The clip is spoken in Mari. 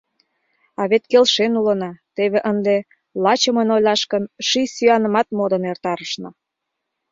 А вет келшен улына, теве ынде, лачымын ойлаш гын, ший сӱанымат модын эртарышна...